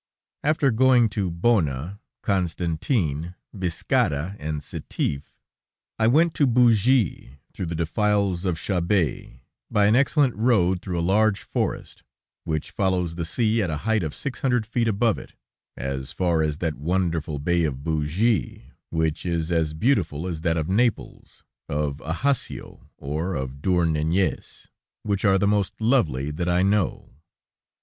After going to Bona, Constantine, Biskara and Setif, I went to Bougie through the defiles of Chabet, by an excellent road through a large forest, which follows the sea at a height of six hundred feet above it, as far as that wonderful bay of Bougie, which is as beautiful as that of Naples, of Ajaccio, or of Douarnenez, which are the most lovely that I know.